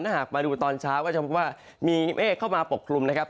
ถ้าหากมาดูตอนเช้าก็จะพบว่ามีเมฆเข้ามาปกคลุมนะครับ